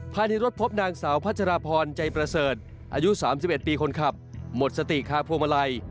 ภายในรถพบนางสาวพัชราพรใจประเสริฐอายุ๓๑ปีคนขับหมดสติคาพวงมาลัย